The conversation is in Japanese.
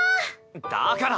だから。